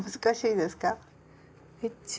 難しいですか？